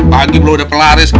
pagi belom udah pelaris